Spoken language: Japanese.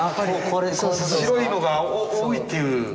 白いのが多いっていう。